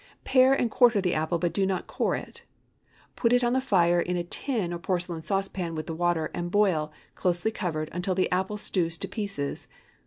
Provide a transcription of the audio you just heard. Pare and quarter the apple, but do not core it. Put it on the fire in a tin or porcelain saucepan with the water, and boil, closely covered, until the apple stews to pieces.